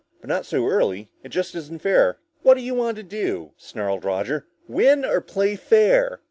But not so early. It just isn't fair." "What do you want to do?" snarled Roger. "Win, or play fair?"